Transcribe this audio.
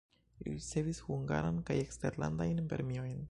Li ricevis hungaran kaj eksterlandajn premiojn.